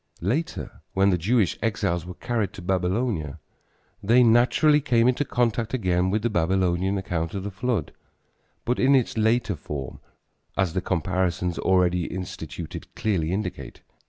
Later when the Jewish exiles were carried to Babylonia, they naturally came into contact again with the Babylonian account of the flood, but in its later form, as the comparisons already instituted clearly indicate.